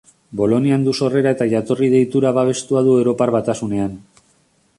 Bolonian du sorrera eta jatorri-deitura babestua du Europar Batasunean.